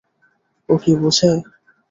ও কি বোঝে?